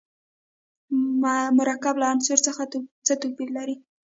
مرکب له عنصر سره څه توپیر لري.